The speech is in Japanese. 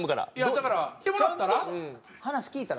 だから来てもらったら？